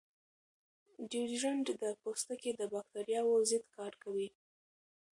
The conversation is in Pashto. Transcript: ډیوډرنټ د پوستکي د باکتریاوو ضد کار کوي.